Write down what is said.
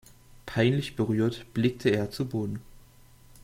Peinlich berührt blickte er zu Boden.